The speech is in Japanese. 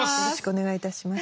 お願いいたします。